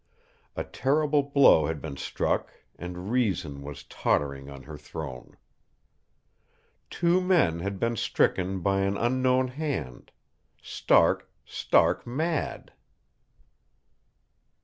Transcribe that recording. A terrible blow had been struck and Reason was tottering on her throne. Two men had been stricken by an unknown hand stark, stark mad.